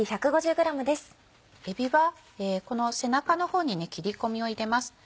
えびはこの背中の方に切り込みを入れます。